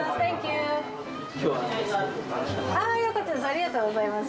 ありがとうございます。